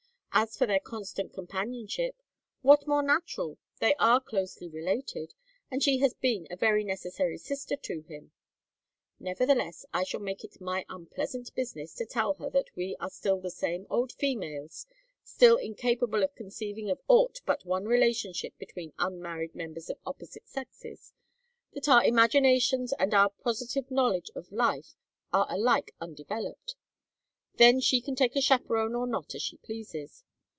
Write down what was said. As for their constant companionship, what more natural? They are closely related, and she has been a very necessary sister to him. Nevertheless, I shall make it my unpleasant business to tell her that we are still the same old females, still incapable of conceiving of aught but one relationship between unmarried members of opposite sexes, that our imaginations and our positive knowledge of life are alike undeveloped. Then she can take a chaperon or not as she pleases.